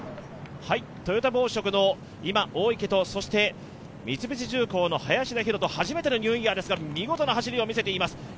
トヨタ紡織の大池と三菱重工の林田洋翔、初めてのニューイヤーですが、見事な走りを見せています。